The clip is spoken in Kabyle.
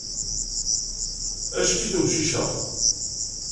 Acki-t umcic-a.